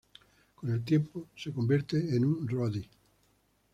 Con el tiempo se convierte en un roadie.